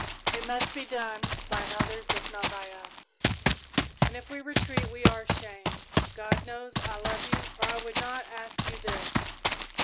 "It must be done by others if not by us, and if we retreat we are shamed. God knows I love you, or I would not ask you this.